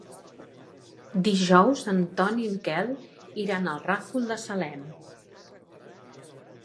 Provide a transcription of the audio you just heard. Dijous en Ton i en Quel iran al Ràfol de Salem.